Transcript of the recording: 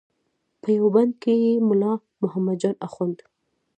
په یوه بند کې یې ملا محمد جان اخوند.